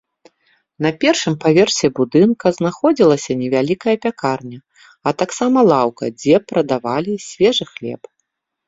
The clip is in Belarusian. На першым паверсе будынка знаходзілася невялікая пякарня, а таксама лаўка, дзе прадавалі свежы хлеб.